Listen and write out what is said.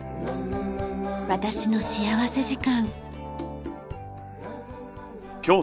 『私の幸福時間』。